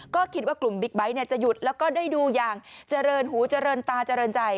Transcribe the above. ก็คิดว่ากลุ่มบิ๊กไบท์จะหยุดแล้วก็ได้ดูอย่างเจริญหูเจริญตาเจริญใจ